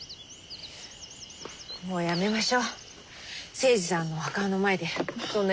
もうやめましょ精二さんの墓の前でそんな嫌な話。